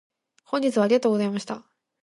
本日はありがとうございました。